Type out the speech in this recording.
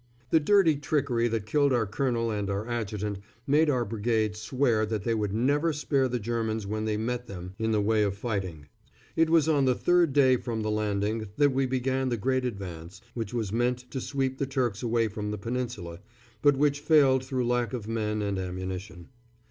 The dirty trickery that killed our colonel and our adjutant made our brigade swear that they would never spare the Germans when they met them in the way of fighting. It was on the third day from the landing that we began the great advance which was meant to sweep the Turks away from the Peninsula, but which failed through lack of men and ammunition.